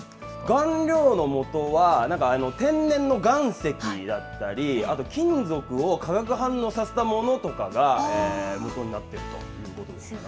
顔料のもとはなんか、天然の岩石だったり、あと金属を化学反応させたものとかが、もとになっているということですね。